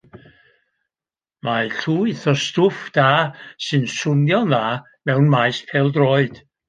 Mae llwyth o stwff da sy'n swnio'n dda mewn maes pêl-droed.